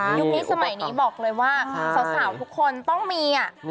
อยู่ในสมัยนี้บอกเลยว่าสาวทุกคนต้องมีอ่ะ